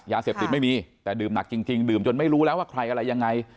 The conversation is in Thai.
เสพติดไม่มีแต่ดื่มหนักจริงดื่มจนไม่รู้แล้วว่าใครอะไรยังไง